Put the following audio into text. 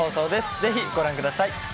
ぜひご覧ください！